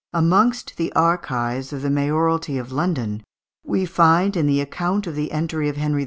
Amongst the archives of the mayoralty of London, we find in the "account of the entry of Henry V.